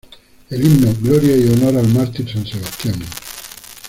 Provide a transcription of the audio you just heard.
El himno: "Gloria y honor al mártir San Sebastián...".